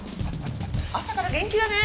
朝から元気だね。